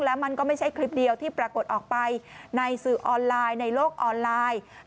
แล้วมันก็ไม่ใช่คลิปเดียวที่ปรากฏออกไปในสื่อออนไลน์ในโลกออนไลน์